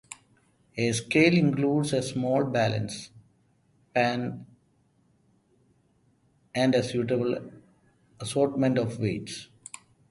A scale includes a small balance, pans, and a suitable assortment of weights.